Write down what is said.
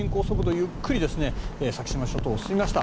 ゆっくり先島諸島を進みました。